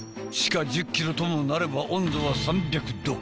地下１０ｋｍともなれば温度は３００℃。